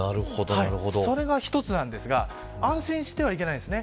それが１つなんですが安心してはいけないですね。